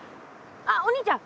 あっお兄ちゃん